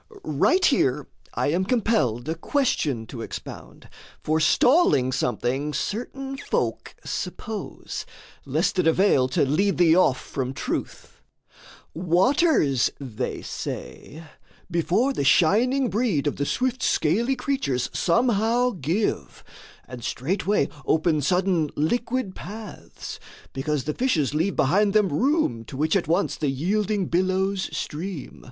Right here I am compelled a question to expound, Forestalling something certain folk suppose, Lest it avail to lead thee off from truth: Waters (they say) before the shining breed Of the swift scaly creatures somehow give, And straightway open sudden liquid paths, Because the fishes leave behind them room To which at once the yielding billows stream.